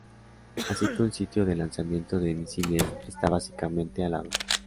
Así que un sitio de lanzamiento de misiles está básicamente al lado".